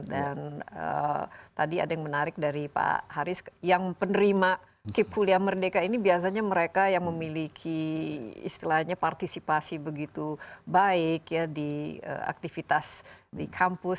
dan tadi ada yang menarik dari pak haris yang penerima kipulia merdeka ini biasanya mereka yang memiliki istilahnya partisipasi begitu baik ya di aktivitas di kampus